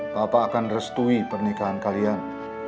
bapak akan restui pernikahan kalian